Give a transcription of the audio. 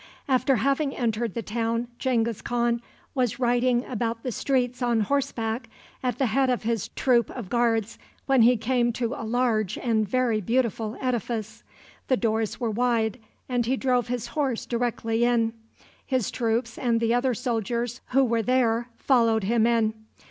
After having entered the town, Genghis Khan was riding about the streets on horseback at the head of his troop of guards when he came to a large and very beautiful edifice. The doors were wide, and he drove his horse directly in. His troops, and the other soldiers who were there, followed him in.